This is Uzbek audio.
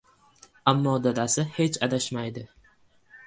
Ammo dadasi hech adashmaydi.